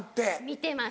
見てます。